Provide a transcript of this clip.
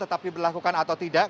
tapi berlaku atau tidak